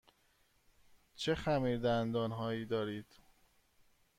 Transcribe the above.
چه خمیردندان هایی دارید؟